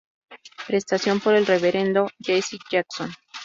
Presentación por el Reverendo Jesse Jackson